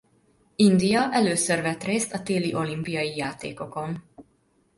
India először vett részt a téli olimpiai játékokon.